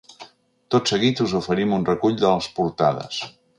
Tot seguit us oferim un recull de les portades.